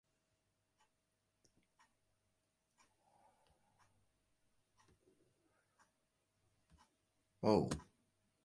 Wêr wurde de kosten fan it ûndersyk út betelle?